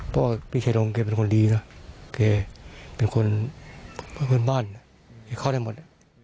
เพราะว่าพี่ชายลงแกเป็นคนดีนะแกเป็นคนบ้านแกเข้าได้หมด